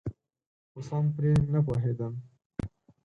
خو سم پرې نپوهیدم.